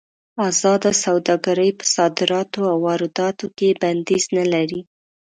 ازاده سوداګري په صادراتو او وارداتو کې بندیز نه لري.